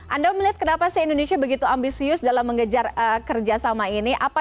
anda melihat kenapa sih indonesia begitu ambisius dalam mengejar kerjasama ini